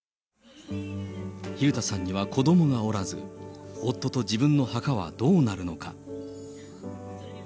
蛭田さんには子どもがおらず、夫と自分の墓はどうなるのか。